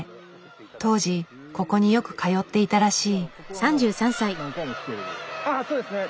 当時ここによく通っていたらしい。